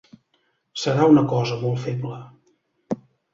Serà una cosa molt feble.